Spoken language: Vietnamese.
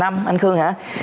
tám một năm